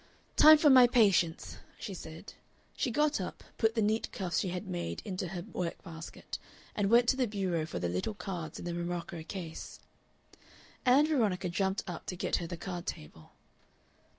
"Time for my Patience," she said. She got up, put the neat cuffs she had made into her work basket, and went to the bureau for the little cards in the morocco case. Ann Veronica jumped up to get her the card table.